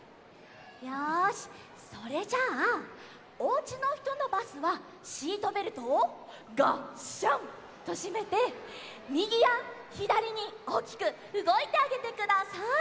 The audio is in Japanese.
よしそれじゃあおうちのひとのバスはシートベルトをガッシャンとしめてみぎやひだりにおおきくうごいてあげてください。